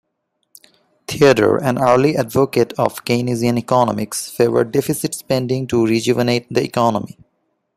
Theodore, an early advocate of Keynesian economics, favoured deficit spending to rejuvenate the economy.